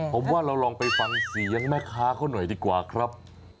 ผมว่าเราลองไปฟังเสียงแม่ค้าเขาหน่อยดีกว่าครับ